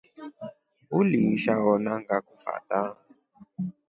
Uliisha ona ngakufata.